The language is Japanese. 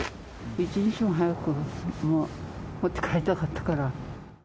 一日も早く、持って帰りたかったから。